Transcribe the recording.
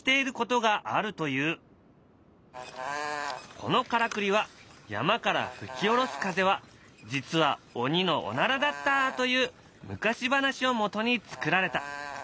このからくりは山から吹き下ろす風は実は鬼のおならだったという昔話をもとに作られた。